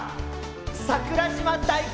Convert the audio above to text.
桜島大根。